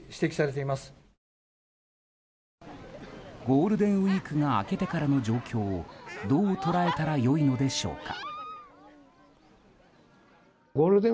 ゴールデンウィークが明けてからの状況をどう捉えたら良いのでしょうか。